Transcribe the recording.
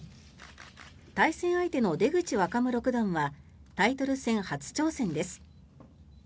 対戦相手の出口若武六段はタイトル戦初挑戦です。